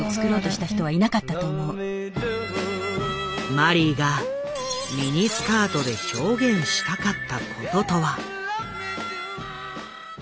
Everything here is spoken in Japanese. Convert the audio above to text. マリーがミニスカートで表現したかったこととは。